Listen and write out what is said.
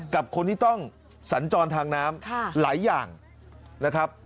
กับคนที่ต้องสัญจรทางน้ำหลายอย่างนะครับ